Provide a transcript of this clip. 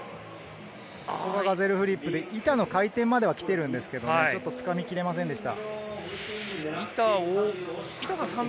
ガゼルフリップで板の回転までは来ているんですが、つかみきれませんでした。